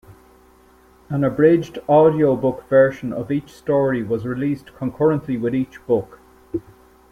An abridged audiobook version of each story was released concurrently with each book.